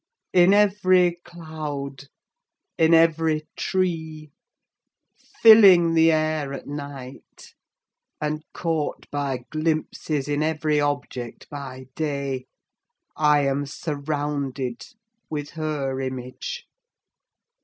In every cloud, in every tree—filling the air at night, and caught by glimpses in every object by day—I am surrounded with her image!